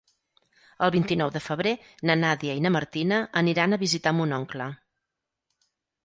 El vint-i-nou de febrer na Nàdia i na Martina aniran a visitar mon oncle.